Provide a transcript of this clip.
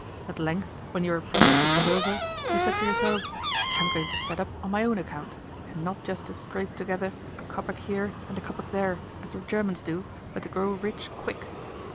At length, when your apprenticeship was over, you said to yourself, 'I am going to set up on my own account, and not just to scrape together a kopeck here and a kopeck there, as the Germans do, but to grow rich quick.